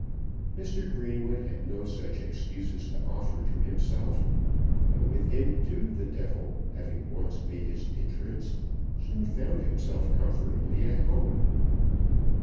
Mr. Greenwood had no such excuses to offer to himself; but with him, too, the Devil having once made his entrance soon found himself comfortably at home.